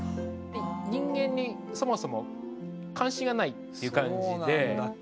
人間にそもそも関心がないっていう感じで。